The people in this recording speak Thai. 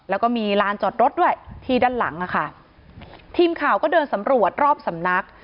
แล้วก็มีลานจอดรถด้วยที่ด้านหลังอ่ะค่ะทีมข่าวก็เดินสำรวจรอบสำนัก